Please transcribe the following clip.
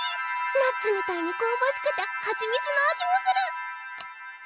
ナッツみたいにこうばしくてハチミツの味もする。